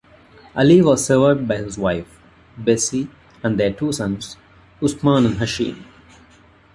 Ali was survived by his wife, Bessie, and their two sons, Usman and Hashim.